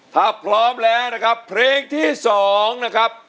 ถ้าพร้อมแล้วนะครับเพลงที่๒นะครับ